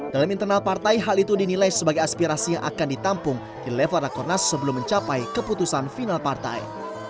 dalam internal partai hal itu dinilai sebagai aspirasi yang akan ditampung di level rakornas sebelum mencapai keputusan final partai